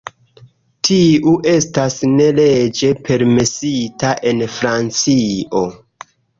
Tiu estas ne leĝe permesita en Francio.